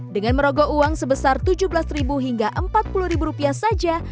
dengan merogoh uang sebesar tujuh belas hingga empat puluh rupiah saja